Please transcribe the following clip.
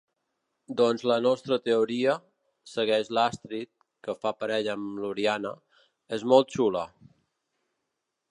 Doncs la nostra teoria —segueix l'Astrid, que fa parella amb l'Oriana— és molt xula.